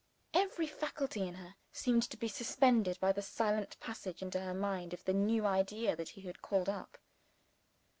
Every faculty in her seemed to be suspended by the silent passage into her mind of the new idea that he had called up.